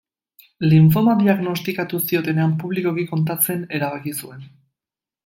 Linfoma diagnostikatu ziotenean publikoki kontatzen erabaki zuen.